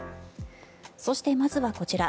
そして、まずはこちら。